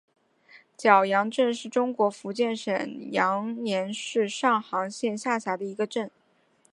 蛟洋镇是中国福建省龙岩市上杭县下辖的一个镇。